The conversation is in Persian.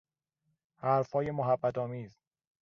حرفهای محبتآمیز